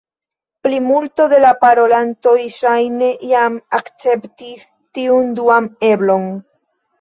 Plimulto de la parolantoj ŝajne jam akceptis tiun duan eblon.